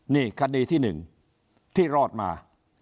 นี่คดีที่๑ที่รอดมา